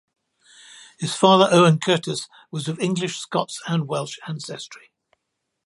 His father Orren Curtis was of English, Scots, and Welsh ancestry.